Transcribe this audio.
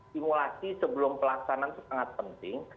simulasi sebelum pelaksanaan itu sangat penting